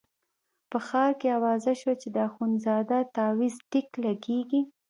په ښار کې اوازه شوه چې د اخندزاده تاویز ټیک لګېږي.